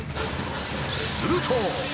すると。